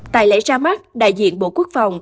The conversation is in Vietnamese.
tại lễ ra mắt đại diện bộ quốc phòng